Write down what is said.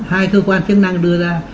hai cơ quan chức năng đưa ra